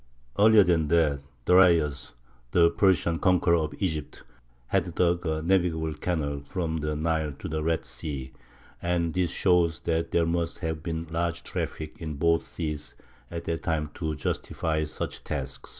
Earlier than that Darius, the Persian conqueror of Egypt, had dug a navigable canal from the Nile to the Red Sea; and this shows that there must have been large traffic in both seas at that time to justify such tasks.